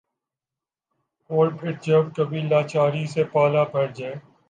اور پھر جب کبھی لاچاری سے پالا پڑ جائے ۔